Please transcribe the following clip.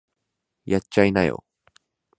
やっちゃいなよ